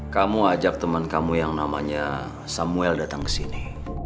kamu ajak temen kamu yang namanya samuel datang kesini